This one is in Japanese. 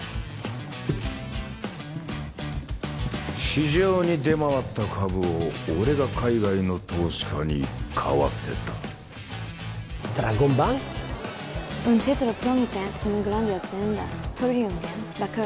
市場に出回った株を俺が海外の投資家に買わせたドラゴンバンク？